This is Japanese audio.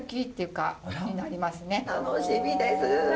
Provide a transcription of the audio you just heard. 楽しみです。